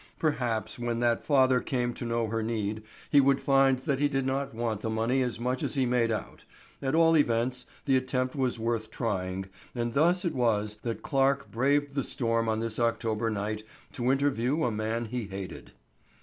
Perhaps when that father came to know her need he would find that he did not want the money as much as he made out; at all events the attempt was worth trying, and thus it was that Clarke braved the storm on this October night to interview a man he hated.